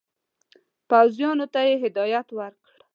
پوځیانو ته یې هدایت ورکړ.